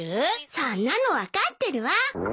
そんなの分かってるわ。